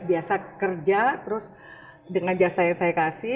biasa kerja terus dengan jasa yang saya kasih